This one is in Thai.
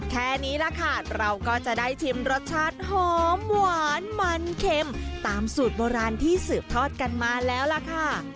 แค่นี้แหละค่ะเราก็จะได้ชิมรสชาติหอมหวานมันเข็มตามสูตรโบราณที่สืบทอดกันมาแล้วล่ะค่ะ